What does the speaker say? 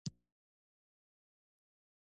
په داخلي جنګ کې یې بې حرکتي پالیسي غوره کړې وه.